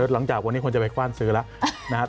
หลังจากวันนี้ควรจะไปกว้านซื้อแล้ว